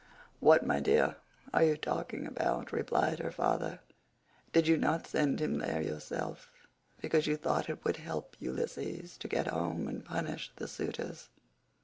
"What, my dear, are you talking about?" replied her father, "did you not send him there yourself, because you thought it would help Ulysses to get home and punish the suitors?